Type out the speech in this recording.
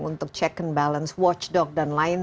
untuk check and balance watchdog dan lain